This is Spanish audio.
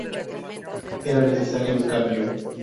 Era necesario un cambio.